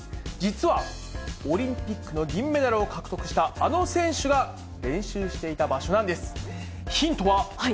実はオリンピックの銀メダルを獲得した、あの選手が、練習していた場所なんです。